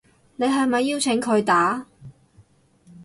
你係咪邀請佢打